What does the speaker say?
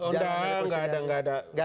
sudah nggak ada